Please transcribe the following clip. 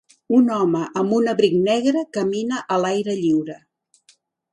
Un home amb un abric negre camina a l'aire lliure.